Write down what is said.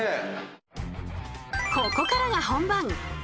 ここからが本番。